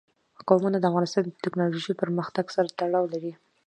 قومونه د افغانستان د تکنالوژۍ پرمختګ سره تړاو لري.